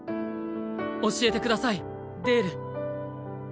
教えてくださいデール。